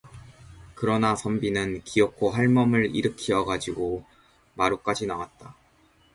그러나 선비는 기어코 할멈을 일으키어 가지고 마루까지 나왔다.